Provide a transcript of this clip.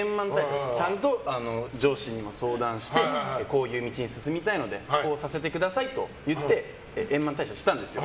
ちゃんと上司にも相談してこういう道に進みたいのでこうさせてくださいと言って円満退社したんですよ。